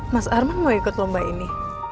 mas arman mau ikut lomba ini